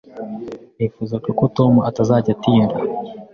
Nifuzaga ko Tom atazajya atinda.